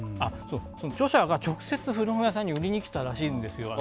著者が、直接、古本屋さんに売りに来たらしいんですよ。